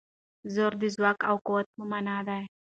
زور د ځواک او قوت په مانا دی.